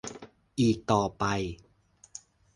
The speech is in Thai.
อีกต่อไป